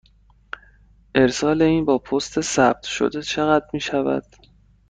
ارسال این با پست ثبت شده چقدر می شود؟